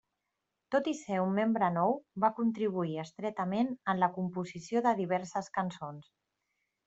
Tot i ser un membre nou, va contribuir estretament en la composició de diverses cançons.